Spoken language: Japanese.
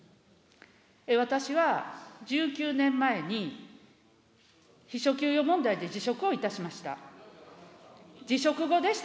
私は１９年前に、秘書給与問題で辞職をいたしました。